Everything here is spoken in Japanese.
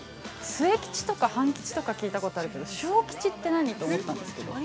末吉とか半吉とか聞いたことあるけど小吉って何？って思ったんですけど。